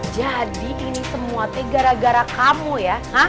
jadi ini semua teh gara gara kamu ya